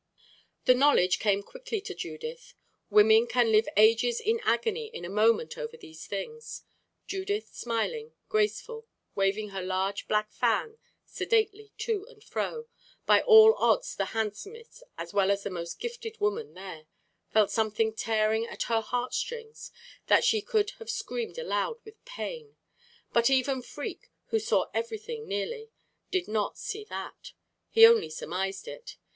The knowledge came quickly to Judith. Women can live ages of agony in a moment over these things. Judith, smiling, graceful, waving her large black fan sedately to and fro, by all odds the handsomest as well as the most gifted woman there, felt something tearing at her heart strings, that she could have screamed aloud with pain. But even Freke, who saw everything nearly, did not see that; he only surmised it.